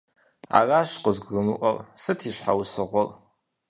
Аращ къызгурымыӀуэр, сыт и щхьэусыгъуэр?